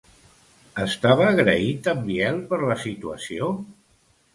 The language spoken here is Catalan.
Estava agraït en Biel per la situació?